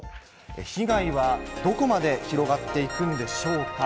被害はどこまで広がっていくんでしょうか。